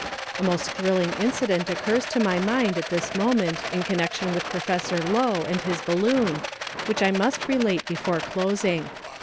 A most thrilling incident occurs to my mind at this moment in connection with Professor Lowe and his balloon, which I must relate before closing.